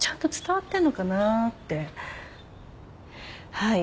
はい。